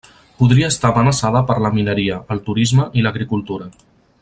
Podria estar amenaçada per la mineria, el turisme i l'agricultura.